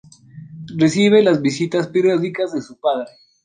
Recibe las visitas periódicas de su padre.